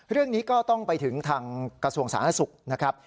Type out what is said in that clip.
เรื่องนี้ก็ต้องไปถึงทางกระทรวงสาธารณสุขนะครับ